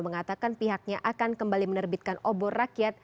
mengatakan pihaknya akan kembali menerbitkan obor rakyat